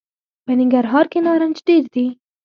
په ننګرهار کي نارنج ډېر دي .